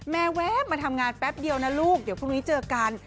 แวะมาทำงานแป๊บเดียวนะลูกเดี๋ยวพรุ่งนี้เจอกัน